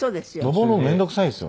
上るの面倒くさいですよね。